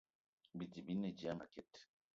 Bidi bi ne dia a makit